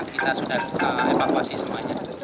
kita sudah evakuasi semuanya